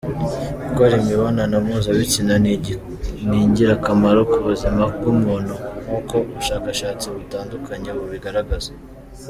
Gukora imibonano mpuzabitsina ni ingirakamaro ku buzima bw’umuntu, nk’uko ubushashatsi butandukanye bubigaragaza.